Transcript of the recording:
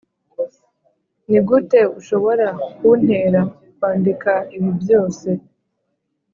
nigute ushobora kuntera kwandika ibi byose.